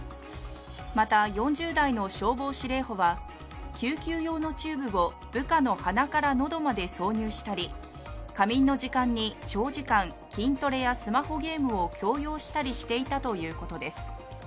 また４０代の消防司令補は、救急用のチューブを部下の鼻から喉まで挿入したり、仮眠の時間に長時間、筋トレやスマホゲームを強要したりしていたということです。